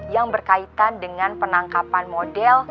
yang berkaitan dengan penangkapan model